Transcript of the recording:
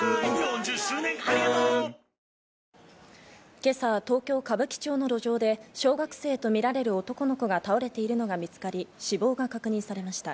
今朝、東京・歌舞伎町の路上で小学生とみられる男の子が倒れているのが見つかり、死亡が確認されました。